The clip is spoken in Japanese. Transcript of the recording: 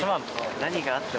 何があっても。